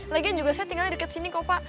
lagian juga saya tinggalnya dekat sini kok pak